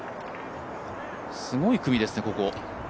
すごい組ですね、ここ。